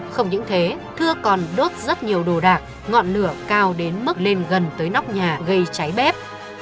không những thế thưa còn đốt rất nhiều đồ đạc ngọn lửa cao đến mức lên gần tới nóc nhà gây cháy bép